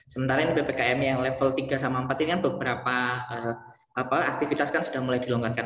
sementara ini ppkm yang level tiga sama empat ini kan beberapa aktivitas kan sudah mulai dilonggarkan